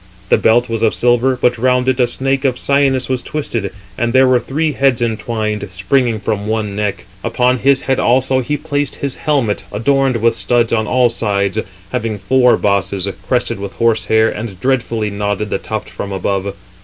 The belt was of silver, but round it a snake of cyanus was twisted, and there were three heads entwined, springing from one neck. Upon his head also he placed his helmet, adorned with studs on all sides, having four bosses, crested with horse hair, and dreadfully nodded the tuft from above.